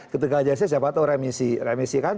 ketika jc siapa tahu remisi